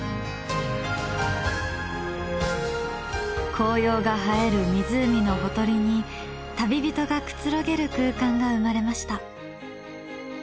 紅葉が映える湖のほとりに旅人がくつろげる空間が生まれました。